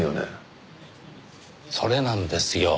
それなんですよ。